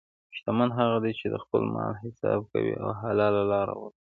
شتمن هغه دی چې د خپل مال حساب کوي او حلال لاره غوره کوي.